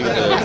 pak hari ini